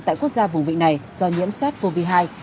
tại quốc gia vùng vịnh này do nhiễm sars cov hai